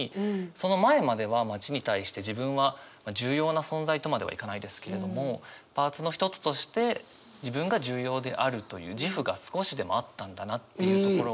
その前までは街に対して自分は重要な存在とまではいかないですけれどもパーツの一つとして自分が重要であるという自負が少しでもあったんだなっていうところが見える。